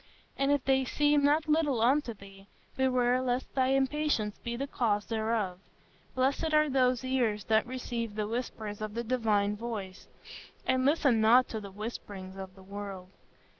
And if they seem not little unto thee, beware lest thy impatience be the cause thereof.... Blessed are those ears that receive the whispers of the divine voice, and listen not to the whisperings of the world.